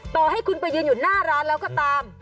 ต่อให้คุณไปยืนอยู่หน้าร้านแล้วก็ตาม